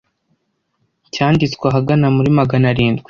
cyanditswe ahagana muri Magana arindwi